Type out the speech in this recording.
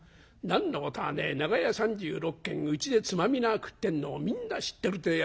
何のことはねえ長屋３６軒うちでつまみ菜食ってんのをみんな知ってるってえやつですよ。